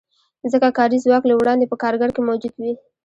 ځکه کاري ځواک له وړاندې په کارګر کې موجود وي